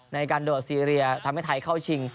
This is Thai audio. ในการโดดซีเรียทำให้ไทยเข้าชิง